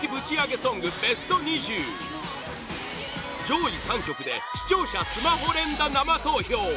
上位３曲で視聴者スマホ連打生投票！